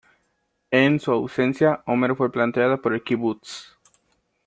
En su ausencia, Omer fue planteada por el kibbutz.